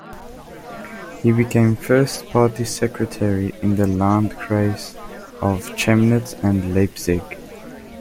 He became First party secretary in the "Landkreis" of Chemnitz and Leipzig.